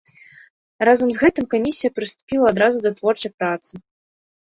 Разам з гэтым камісія прыступіла адразу да творчай працы.